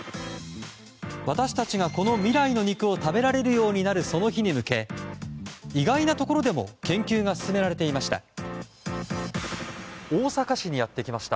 私たちが、この未来の肉を食べられるようになるその日に向け意外なところでも研究が進められていました。